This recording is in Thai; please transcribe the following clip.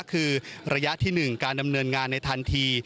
คือระยะที่๑การดำเนินงานในทันที